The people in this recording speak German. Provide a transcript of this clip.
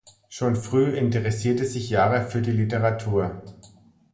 Schon früh interessierte sich Jara für die Literatur.